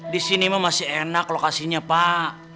di sini masih enak lokasinya pak